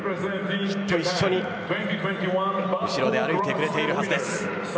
きっと一緒に後ろで歩いてくれているはずです。